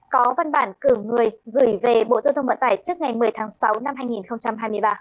có văn bản cử người gửi về bộ giao thông vận tải trước ngày một mươi tháng sáu năm hai nghìn hai mươi ba